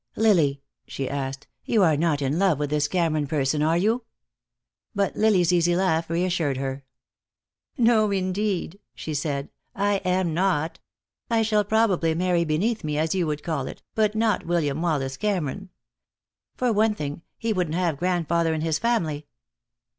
"Lily," she asked, "you are not in love with this Cameron person, are you?" But Lily's easy laugh reassured her. "No, indeed," she said. "I am not. I shall probably marry beneath me, as you would call it, but not William Wallace Cameron. For one thing, he wouldn't have grandfather in his family."